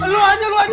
aduh bahaya tuh